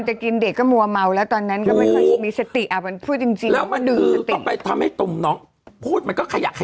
จริงเพราะเนี่ยเขาเตือนเลยบอกว่า